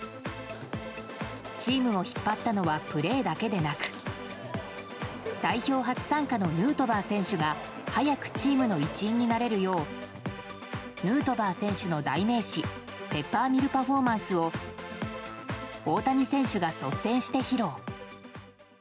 チームを引っ張ったのはプレーだけでなく代表初参加のヌートバー選手が早くチームの一員になれるようヌートバー選手の代名詞ペッパーミルパフォーマンスを大谷選手が率先して披露。